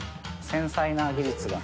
繊細な技術が。